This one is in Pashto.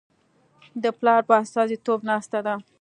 د پلار په استازیتوب ناسته ده.